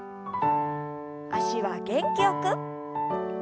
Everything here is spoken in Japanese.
脚は元気よく。